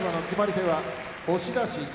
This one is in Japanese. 決まり手は押し出し。